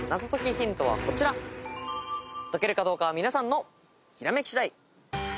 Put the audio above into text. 解けるかどうかは皆さんのひらめき次第。